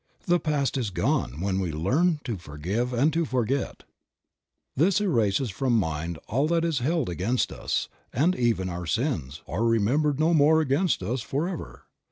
The past is gone when we learn to forgive and to forget. This erases from mind all that is held against us, and Creative Mind. 33 even our sins "Are remembered no more against us for ever."